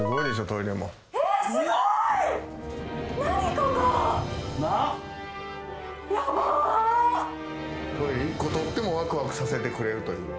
トイレ１個取ってもワクワクさせてくれるという。